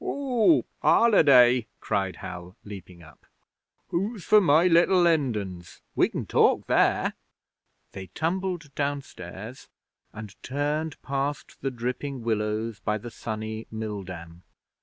'Whoop! Holiday!' cried Hal, leaping up. 'Who's for my Little Lindens? We can talk there.' They tumbled downstairs, and turned past the dripping willows by the sunny mill dam.